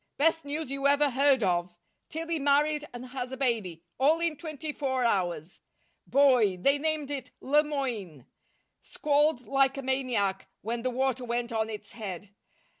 Best news you ever heard of! Tillie married and has a baby all in twenty four hours! Boy they named it Le Moyne. Squalled like a maniac when the water went on its head.